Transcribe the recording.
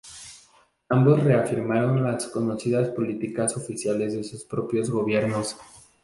Ambos reafirmaron las conocidas políticas oficiales de sus propios Gobiernos.